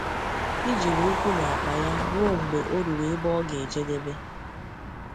i jiri ụkwụ na-akpa ya ruo mgbe o ruru ebe ọ ga ejedebe.